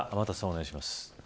お願いします。